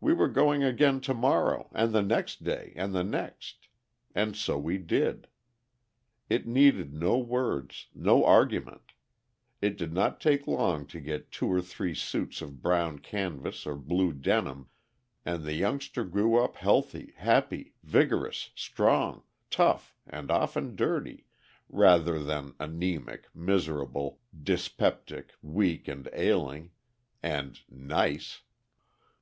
We were going again to morrow and the next day and the next. And so we did. It needed no words, no argument. It did not take long to get two or three suits of brown canvas or blue denim, and the youngster grew up healthy, happy, vigorous, strong, tough, and often dirty, rather than anæmic, miserable, dyspeptic, weak and ailing, and nice.